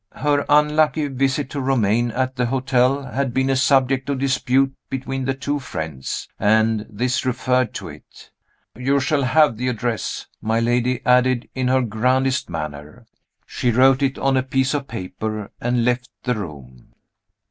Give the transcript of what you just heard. Her unlucky visit to Romayne at the hotel had been a subject of dispute between the two friends and this referred to it. "You shall have the address," my lady added in her grandest manner. She wrote it on a piece of paper, and left the room.